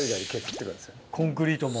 コンクリートも。